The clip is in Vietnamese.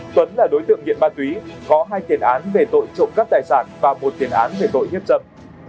tuấn là đối tượng nghiện ma túy có hai tiền án về tội trộm cắp tài sản và một tiền án về tội hiếp dâm